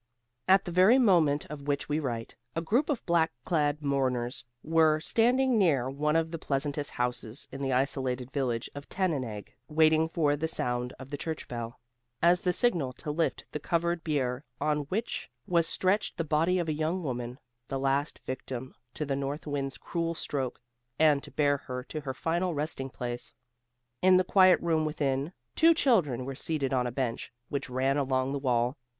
At the very moment of which we write, a group of black clad mourners were standing near one of the pleasantest houses in the isolated village of Tannenegg, waiting for the sound of the church bell, as the signal to lift the covered bier on which was stretched the body of a young woman, the last victim to the north wind's cruel stroke, and to bear her to her final resting place. In the quiet room within, two children were seated on a bench, which ran along the wall.